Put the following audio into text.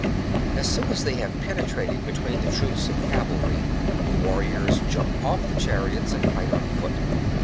As soon as they have penetrated between the troops of cavalry,^ the warriors jump off the chariots and fight on foot.